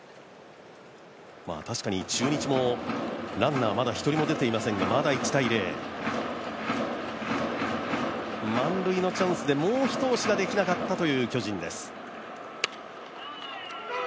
確かに中日もランナーはまだ１人も出ていませんが、まだ１−０、満塁のチャンスでもう一押しができなかった巨人です。